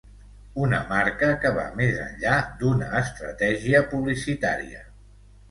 Una marca que va més enllà d'una estratègia publicitària.